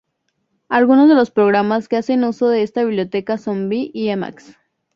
Algunos de los programas que hacen uso de esta biblioteca son vi y emacs.